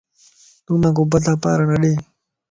تون مانک اڀتا پار نه ڏي